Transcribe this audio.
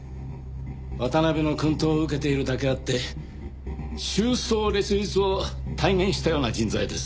渡辺の薫陶を受けているだけあって秋霜烈日を体現したような人材です。